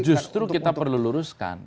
justru kita perlu luruskan